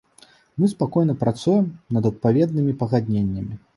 Мы спакойна працуем над адпаведнымі пагадненнямі.